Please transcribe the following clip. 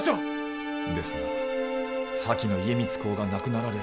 ですが先の家光公が亡くなられ。